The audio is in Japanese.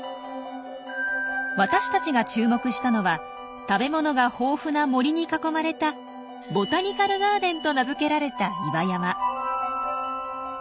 私たちが注目したのは食べ物が豊富な森に囲まれた「ボタニカルガーデン」と名付けられた岩山。